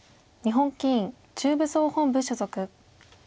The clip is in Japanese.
日本棋院中部総本部所属。